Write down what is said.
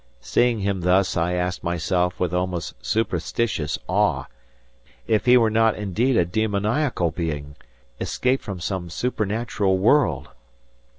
Seeing him thus I asked myself with almost superstitious awe, if he were not indeed a demoniac being, escaped from some supernatural world.